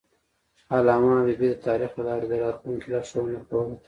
علامه حبیبي د تاریخ له لارې د راتلونکي لارښوونه کوله.